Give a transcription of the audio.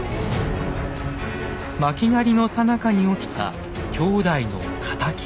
巻狩のさなかに起きた兄弟の敵討ち。